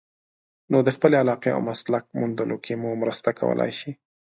نو د خپلې علاقې او مسلک موندلو کې مو مرسته کولای شي.